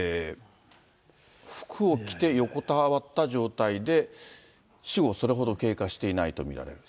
服を着て横たわった状態で、死後それほど経過していないと見られる。